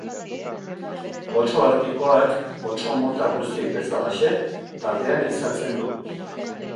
Otso artikoak, otso mota guztiek bezalaxe, taldean ehizatzen du.